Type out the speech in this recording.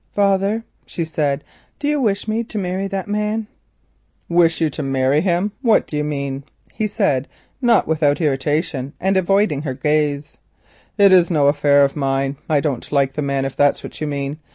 "Father," she said, "do you wish me to marry that man?" "Wish you to marry him? What do you mean?" he said, not without irritation, and avoiding her gaze. "It is no affair of mine. I don't like the man, if that's what you mean.